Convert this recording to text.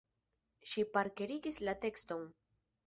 Ŝi parkerigis la tekston.